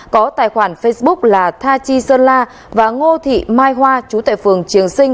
có tài khoản facebook là tha chi sơn la và ngô thị mai hoa chú tại phường triềng sinh